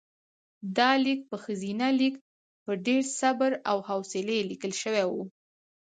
دا لیک په ښځینه لیک په ډېر صبر او حوصلې لیکل شوی و.